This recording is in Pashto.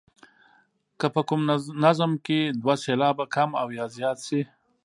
که په کوم نظم کې دوه سېلابه کم او یا زیات شي.